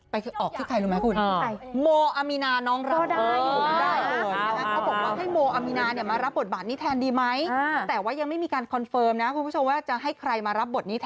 ออกที่ใครรู้ไหมคุณ